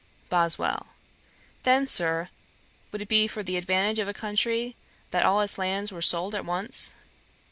BOSWELL. 'Then, Sir, would it be for the advantage of a country that all its lands were sold at once?'